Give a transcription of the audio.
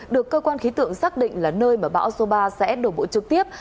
được cơ quan khí tượng xác định là nơi mà bão số ba sẽ đổ bộ trực tiếp